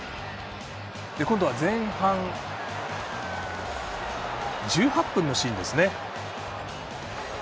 今度は前半、１８分のシーン。